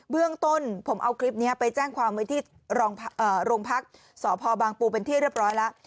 เรื่องต้นผมเอาคลิปนี้ไปแจ้งความไว้ที่โรงพักษ์สพบางปูเป็นที่เรียบร้อยแล้ว